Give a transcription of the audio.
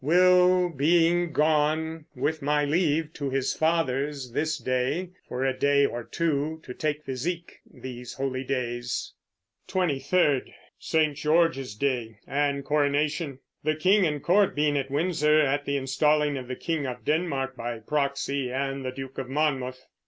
Will being gone, with my leave, to his father's this day for a day or two, to take physique these holydays. 23d. St. George's day and Coronacion, the King and Court being at Windsor, at the installing of the King of Denmarke by proxy and the Duke of Monmouth....